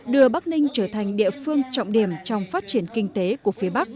đưa bắc ninh trở thành địa phương trọng điểm trong phát triển kinh tế của phía bắc